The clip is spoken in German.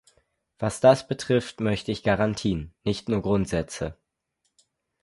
Was das betrifft, möchte ich Garantien, nicht nur Grundsätze.